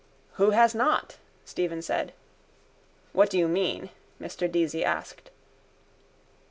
—Who has not? Stephen said. —What do you mean? Mr Deasy asked.